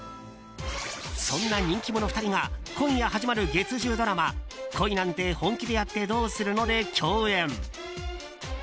そんな人気者２人が今夜始まる月１０ドラマ「恋なんて、本気でやってどうするの？」で共演。